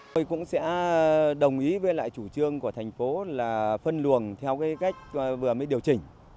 tôi cũng sẽ đồng ý với lại chủ trương của thành phố là phân luồng theo cái cách vừa mới điều chỉnh